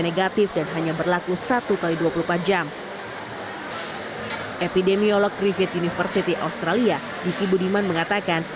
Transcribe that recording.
negatif dan hanya berlaku satu x dua puluh empat jam epidemiolog griffith university australia diski budiman mengatakan